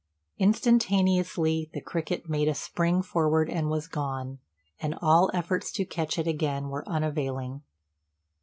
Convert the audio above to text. Instantaneously the cricket made a spring forward and was gone; and all efforts to catch it again were unavailing.